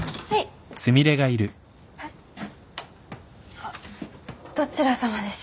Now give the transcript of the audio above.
あっどちらさまでしょうか？